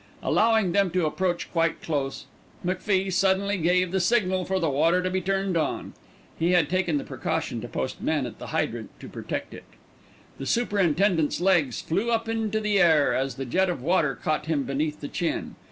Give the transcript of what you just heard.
Allowing them to approach quite close, McFie suddenly gave the signal for the water to be turned on. He had taken the precaution to post men at the hydrant to protect it. The superintendent's legs flew up into the air as the jet of water caught him beneath the chin.